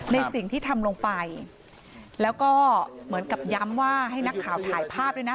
ในสิ่งที่ทำลงไปแล้วก็เหมือนกับย้ำว่าให้นักข่าวถ่ายภาพด้วยนะ